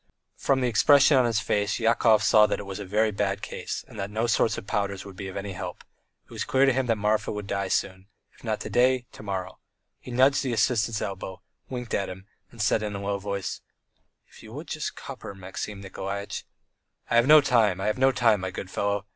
From the expression of his face Yakov saw that it was a bad case, and that no sort of powders would be any help; it was clear to him that Marfa would die very soon, if not to day, to morrow. He nudged the assistant's elbow, winked at him, and said in a low voice: "If you would just cup her, Maxim Nikolaitch." "I have no time, I have no time, my good fellow.